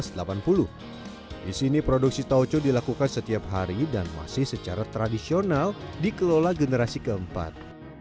di sini produksi tauco dilakukan setiap hari dan masih secara tradisional dikelola generasi keempat